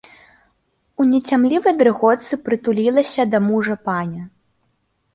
У няцямлівай дрыготцы прытулілася да мужа паня.